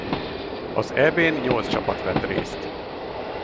Az Eb-n nyolc csapat vett részt.